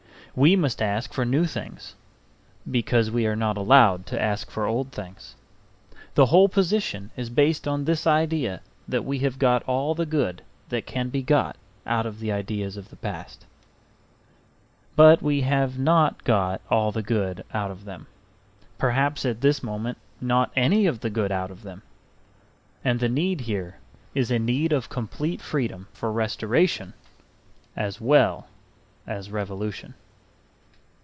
We must ask for new things because we are not allowed to ask for old things. The whole position is based on this idea that we have got all the good that can be got out of the ideas of the past. But we have not got all the good out of them, perhaps at this moment not any of the good out of them. And the need here is a need of complete freedom for restoration as well as revolution.